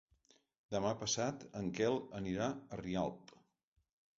Demà passat en Quel anirà a Rialp.